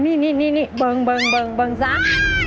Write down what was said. นี่บึงซ้าน